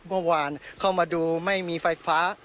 เมื่อวานเข้ามาดูไม่มีไฟฟ้า